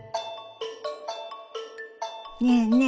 ねえねえ